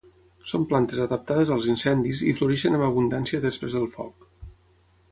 Són plantes adaptades als incendis i floreixen amb abundància després del foc.